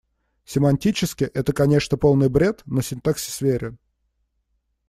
Семантически это, конечно, полный бред, но синтаксис верен.